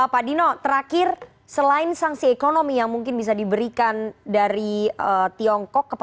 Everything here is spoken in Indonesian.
pak dino terakhir selain sanksi ekonomi yang mungkin bisa diberikan dari tiongkok